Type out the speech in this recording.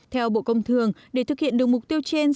theo bộ công thường để thực hiện được mục tiêu trên